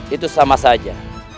itu sama saja